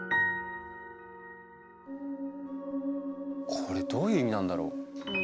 これどういう意味なんだろう？